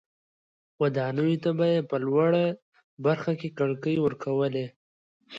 ودانیو ته به یې په لوړه برخه کې کړکۍ ورکولې.